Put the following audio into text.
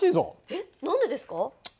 えっ何でですか？